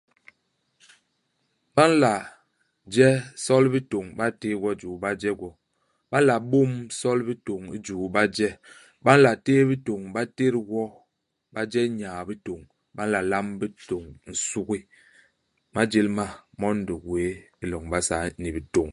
Ba nla je sol i bitôñ. Ba ntéé gwo i juu, ba je gwo. Ba nla bôm sol i bitôñ i juu, ba je. Ba nla téé bitôñ, ba tét gwo, ba je nyaa-bitôñ. Ba nla lamb bitôñ nsugi. Imajél ma, mon di gwéé i loñ i Basaa, ni bitôñ.